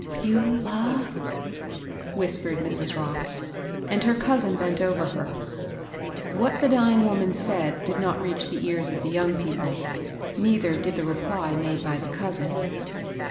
'*" Beulah," whispered Mrs. Ross ; and her cousin bent over her. What the dying woman said did not reach the ears of the young people ; neither did the reply made by the cousin.